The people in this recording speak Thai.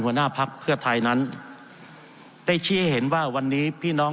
หัวหน้าพักเพื่อไทยนั้นได้ชี้ให้เห็นว่าวันนี้พี่น้อง